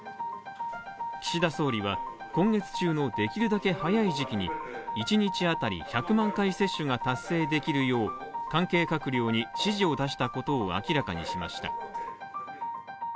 岸田総理は、今月中のできるだけ早い時期に一日当たり１００万回接種が達成できるよう関係閣僚に指示を出したことを明らかにしました。